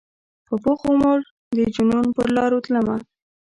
په پوخ عمر د جنون پرلاروتلمه